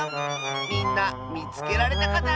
みんなみつけられたかな？